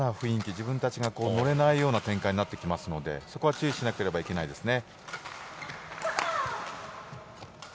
自分たちが乗れないような展開になってきますのでそこは注意しなければいけないですね。